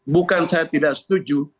bukan saya tidak setuju